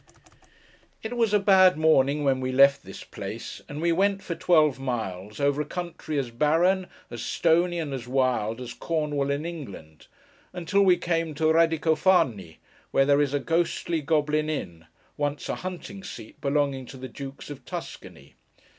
It was a bad morning when we left this place; and we went, for twelve miles, over a country as barren, as stony, and as wild, as Cornwall in England, until we came to Radicofani, where there is a ghostly, goblin inn: once a hunting seat, belonging to the Dukes of Tuscany.